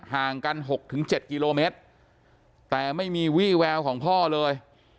ห่างกัน๖๗กิโลเมตรแต่ไม่มีวี่แววของพ่อเลย